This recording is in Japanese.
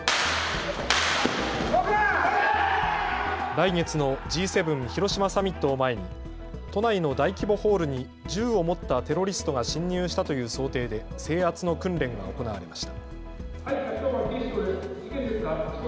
来月のＧ７広島サミットを前に都内の大規模ホールに銃を持ったテロリストが侵入したという想定で制圧の訓練が行われました。